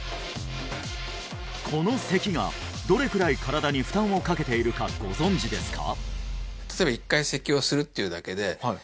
このせきがどれくらい身体に負担をかけているかご存じですか？